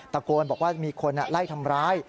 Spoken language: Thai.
ตะโกนบอกว่ามีคนไล่ทำร้าย